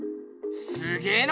すげぇな！